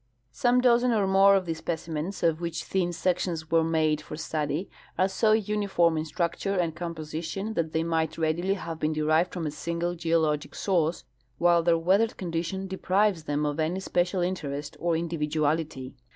Some dozen or more of these specimens, of which thin sections were made for study, are so uniform in structure and composition that they might readily have been derived from a single geologic soilrce, while their weathered condition deprives them of any special interest or individuality.